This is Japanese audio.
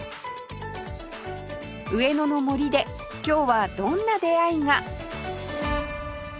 上野の森で今日はどんな出会いが？